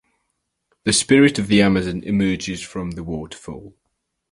The spirit of the Amazon emerges from the waterfall.